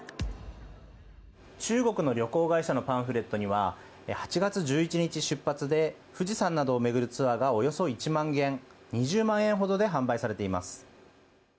中国の旅行会社のパンフレットには８月１１日出発で富士山などを巡るツアーがおよそ１万円２０万円ほどで販売されています。